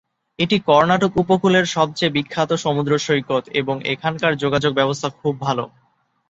এটি কর্ণাটক উপকূলের সবচেয়ে বিখ্যাত সমুদ্র সৈকত এবং এখান কার যোগাযোগ ব্যবস্থা খুব ভালো।